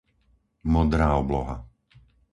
modrá obloha